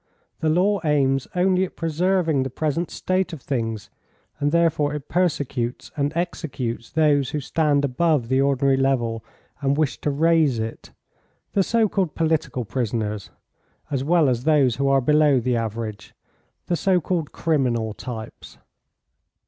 The law aims only at preserving the present state of things, and therefore it persecutes and executes those who stand above the ordinary level and wish to raise it the so called political prisoners, as well as those who are below the average the so called criminal types."